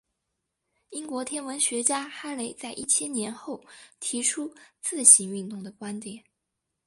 英国天文学家哈雷在一千年后提出自行运动的观点。